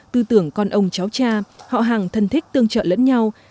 tư tưởng con ông cháu cha họ hàng thân thích tương trợ lẫn nhau